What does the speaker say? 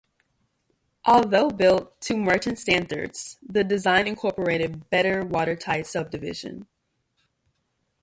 Although built to merchant standards, the design incorporated better watertight subdivision.